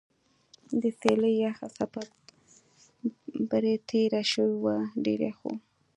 د څېلې یخه څپه برې تېره شوې وه ډېر یخ و.